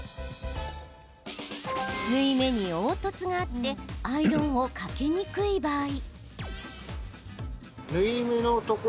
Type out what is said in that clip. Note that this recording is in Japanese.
縫い目に凹凸があってアイロンをかけにくい場合。